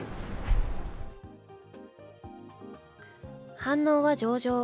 反応は上々。